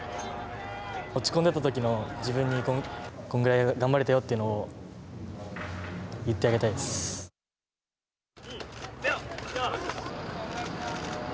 落ち込んだときの自分にこんぐらい頑張れたよというのをいってあげたいです。